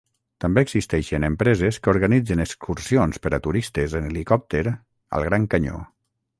També existeixen empreses que organitzen excursions per a turistes en helicòpter al Gran Canyó.